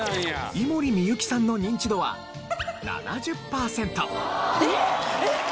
井森美幸さんのニンチドは７０パーセント。